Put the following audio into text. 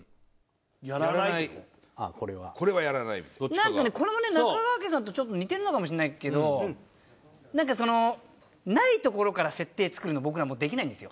なんかねこれもね中川家さんとちょっと似てるのかもしれないけどなんかそのないところから設定作るの僕らもうできないんですよ。